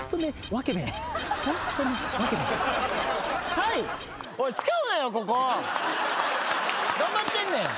はい。頑張ってんねん。